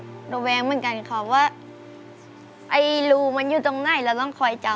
อเรนนี่ระแวงเหมือนกันคะว่ารูมันอยู่ตรงหน้าอย่างนี้เราต้องคอยจำ